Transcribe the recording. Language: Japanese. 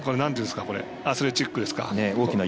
アスレチックですか。